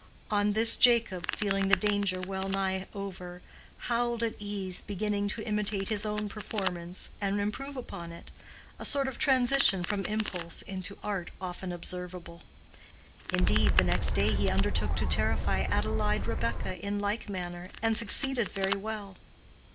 On this Jacob, feeling the danger well nigh over, howled at ease, beginning to imitate his own performance and improve upon it—a sort of transition from impulse into art often observable. Indeed, the next day he undertook to terrify Adelaide Rebekah in like manner, and succeeded very well.